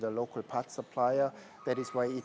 dengan pengeluaran bahan lokal